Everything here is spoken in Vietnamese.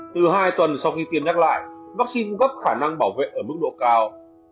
từ hai tuần sau khi tiêm nhắc lại vaccine gấp khả năng bảo vệ ở mức độ cao